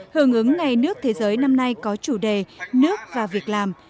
hưởng ứng ngày nước thế giới năm nay có chủ đề nước và việc làm